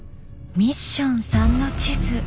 ミッション３の地図。